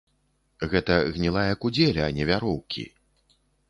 Гэта гнілая кудзеля, а не вяроўкі.